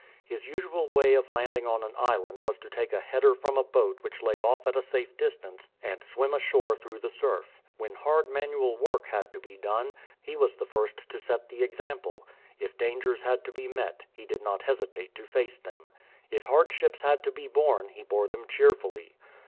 His usual way of landing on an island was to take a header from a boat which lay off at a safe distance, and swim ashore through the surf. When hard manual work had to be done, he was the first to set the example. If dangers had to be met, he did not hesitate to face them. If hardships had to be borne, he bore them cheerfully.